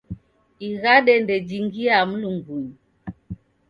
Ighande ndejingia Mlungunyi.